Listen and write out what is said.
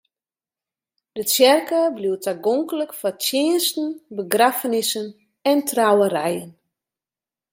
De tsjerke bliuwt tagonklik foar tsjinsten, begraffenissen en trouwerijen.